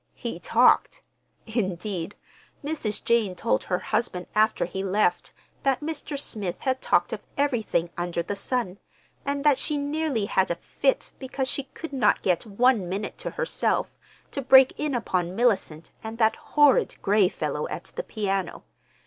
He talked—indeed, Mrs. Jane told her husband after he left that Mr. Smith had talked of everything under the sun, and that she nearly had a fit because she could not get one minute to herself to break in upon Mellicent and that horrid Gray fellow at the piano.